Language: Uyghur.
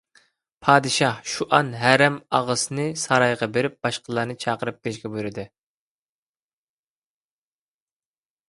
پادىشاھ شۇئان ھەرەمئاغىسىنى سارايغا بېرىپ باشقىلارنى چاقىرىپ كېلىشكە بۇيرۇدى.